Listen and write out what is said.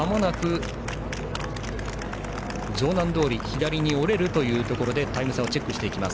城南通り左に折れるというところでタイム差をチェックしていきます。